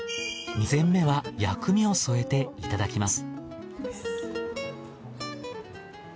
２膳目は薬味を添えていただきます。